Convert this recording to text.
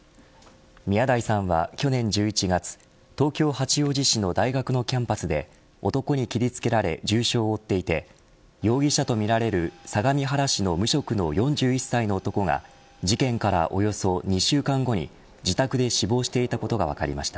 宮台さんは去年１１月東京、八王子市の大学のキャンパスで男に切りつけられ重傷を負っていて容疑者とみられる相模原市の無職の４１歳の男が事件からおよそ２週間後に自宅で死亡していたことが分かりました。